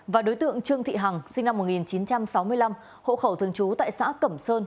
và đối tượng trương thị hằng sinh năm một nghìn chín trăm sáu mươi năm hộ khẩu thường trú tại xã cẩm sơn